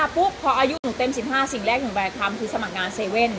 ปุ๊บพออายุหนูเต็ม๑๕สิ่งแรกหนูแบกทำคือสมัครงาน๗๑๑